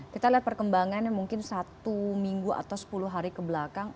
kita lihat perkembangannya mungkin satu minggu atau sepuluh hari kebelakang